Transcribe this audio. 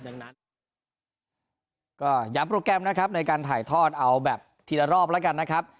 ดังนั้นก็ย้ำโปรแกรมนะครับในการถ่ายทอดเอาแบบทีละรอบแล้วกันนะครับ